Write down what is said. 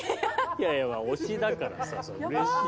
いやいやまあ推しだからさそれはうれしいよ。